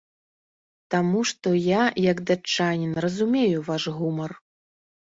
Таму што я як датчанін разумею ваш гумар.